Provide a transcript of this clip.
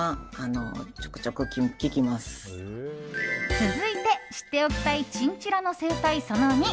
続いて知っておきたいチンチラの生態その２。